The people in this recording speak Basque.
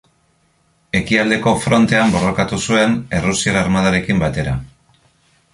Ekialdeko Frontean borrokatu zuen errusiar armadarekin batera.